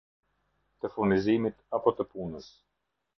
Të furnizimit apo të punës.